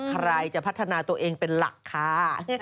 ใครจะพัฒนาตัวเองเป็นหลักค่ะ